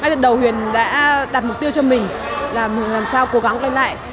mai tuyệt đầu huyền đã đặt mục tiêu cho mình là mình làm sao cố gắng quay lại